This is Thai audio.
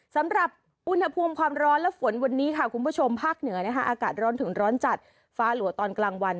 สำหรับอุณหภูมิความร้อนและฝนวันนี้ค่ะคุณผู้ชมภาคเหนือนะคะอากาศร้อนถึงร้อนจัดฟ้าหลัวตอนกลางวัน